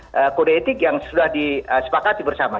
penagihannya dilakukan dengan kode etik yang sudah disepakati bersama